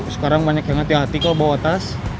sekarang banyak yang hati hati kalau bawa tas